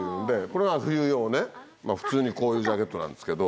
これが冬用で、普通にこういうジャケットなんですけど。